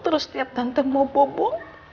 terus tiap tahun mau bobo